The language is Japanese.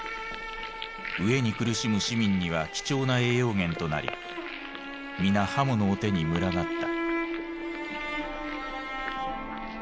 飢えに苦しむ市民には貴重な栄養源となり皆刃物を手に群がった。